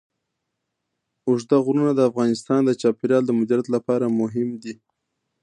اوږده غرونه د افغانستان د چاپیریال د مدیریت لپاره مهم دي.